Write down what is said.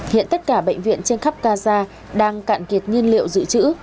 hiện tất cả bệnh viện trên khắp gaza đang cạn kiệt nhiên liệu dự trữ